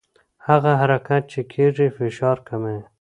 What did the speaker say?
هغه حرکت چې کېږي فشار کموي.